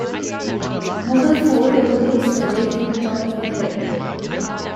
Moghul Fort overlooks the lake from the top of a hill.